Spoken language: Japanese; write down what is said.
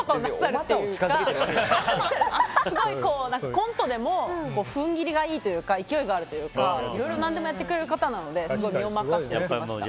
すごいコントでも踏ん切りがいいというか勢いがあるというかいろいろ何でもやってくれる方なのですごい、身を任せてきました。